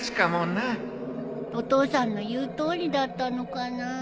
お父さんの言うとおりだったのかな